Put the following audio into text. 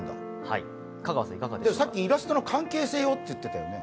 さっきイラストの関係性をって言ってたよね。